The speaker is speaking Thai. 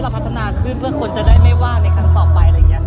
เพื่อคุณจะได้ไม่ว่างในครั้งต่อไป